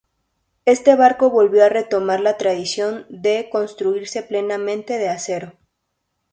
Este barco volvió a retomar la tradición de construirse plenamente de acero.